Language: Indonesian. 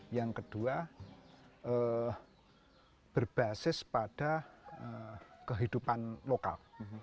yang kedua berbasis pada kehidupan lokal